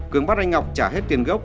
cường bắt anh ngọc trả hết tiền gốc